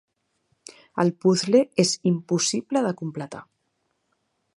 El puzle és impossible de completar.